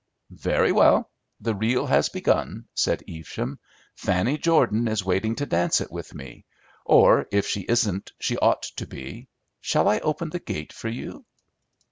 "Very well; the reel has begun," said Evesham. "Fanny Jordan is waiting to dance it with me, or if she isn't she ought to be. Shall I open the gate for you?"